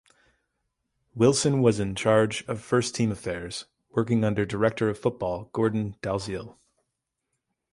Wilson was in charge of first-team affairs, working under Director of football, Gordon Dalziel.